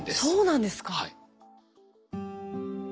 そうなんですか？